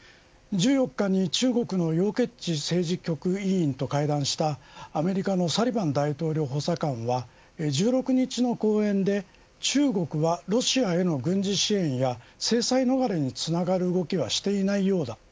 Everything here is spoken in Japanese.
１４日に中国の楊潔チ政治局委員と会談したアメリカのサリバン大統領補佐官は１６日の講演で中国はロシアへの軍事支援や制裁逃れにつながる動きはしていないようだ。